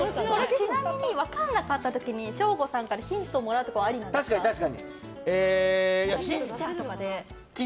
ちなみに分からなかった時にショーゴさんからヒントをもらうのはありなんですか？